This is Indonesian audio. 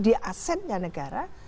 dia asetnya negara